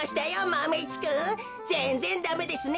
マメ１くんぜんぜんダメですね。